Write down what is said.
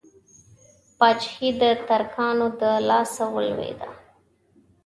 پاچهي د ترکانو د لاسه ولوېده.